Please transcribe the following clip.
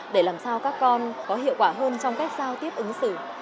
để làm sao các con có hiệu quả hơn trong cách giao tiếp ứng xử